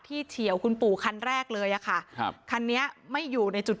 เฉียวคุณปู่คันแรกเลยอะค่ะครับคันนี้ไม่อยู่ในจุด